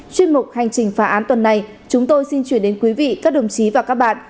chuyên mục hành trình phá án tuần này chúng tôi xin chuyển đến quý vị các đồng chí và các bạn